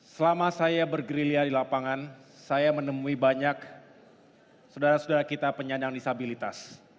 selama saya bergerilya di lapangan saya menemui banyak saudara saudara kita penyandang disabilitas